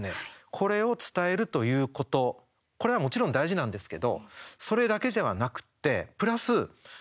これを伝えるということこれはもちろん大事なんですけどそれだけではなくてプラス